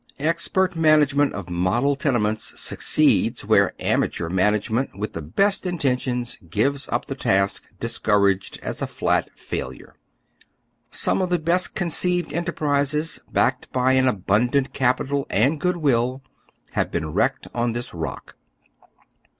Expert management of model tenements succeeds where ama teur management, with the best intentions, gives up the task, discouraged, as a flat failure. Some of the best con ceived enterprises, backed by abundant capital and good will, have been wrecked on this rock.